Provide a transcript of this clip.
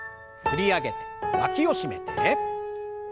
振り上げてわきを締めて。